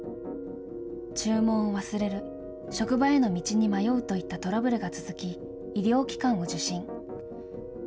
注文を忘れる、職場への道に迷うといったトラブルが続き、医療機関を受診。